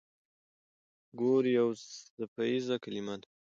ګور يو څپيز کلمه ده.